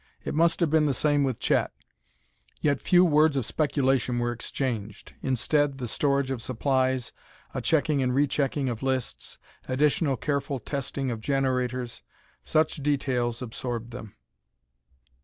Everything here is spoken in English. It must have been the same with Chet, yet few words of speculation were exchanged. Instead, the storage of supplies, a checking and rechecking of lists, additional careful testing of generators such details absorbed them.